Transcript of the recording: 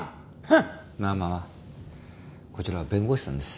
まあまあこちらは弁護士さんです。